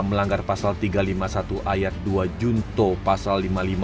melanggar pasal tiga ratus lima puluh satu ayat dua junto pasal lima puluh lima